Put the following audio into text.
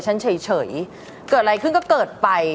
ฉันเฉยเกิดอะไรขึ้นก็เกิดไป